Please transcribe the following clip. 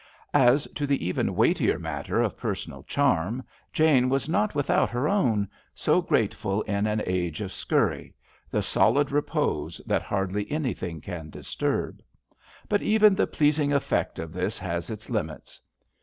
As to the even weightier matter of personal charm, Jane was not without her own, so grateful in an age of scurry — ^the solid repose that hardly anything can disturb. But even the pleasing effect of this has its limits.